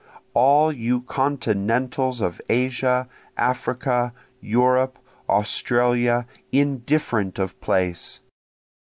All you continentals of Asia, Africa, Europe, Australia, indifferent of place!